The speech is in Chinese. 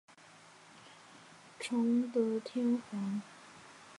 崇德天皇。